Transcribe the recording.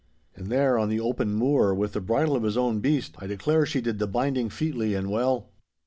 And there on the open moor, with the bridle of his own beast, I declare she did the binding featly and well.